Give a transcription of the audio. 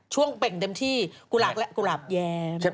ช่วงเป็นเต็มที่กุฬาปแยม